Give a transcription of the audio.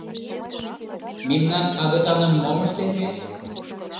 Мемнан агытаным мом ыштен вет?